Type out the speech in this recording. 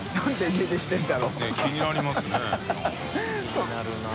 気になるな。